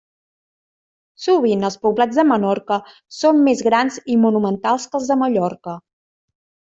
Sovint els poblats de Menorca són més grans i monumentals que els de Mallorca.